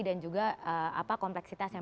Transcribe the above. dan juga kompleksitas yang